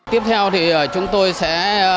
tiếp theo thì chúng tôi sẽ